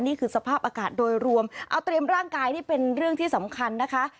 นี่คือสภาพอากาศโดยรวมเอาเตรียมร่างกายนี่เป็นเรื่องที่สำคัญนะคะ